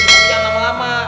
biar dia yang lama lama